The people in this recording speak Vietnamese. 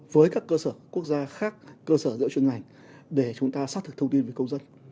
với các cơ sở quốc gia khác cơ sở giữa chuyên ngành để chúng ta xác thực thông tin với công dân